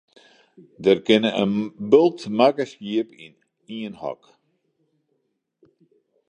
Der kinne in bult makke skiep yn ien hok.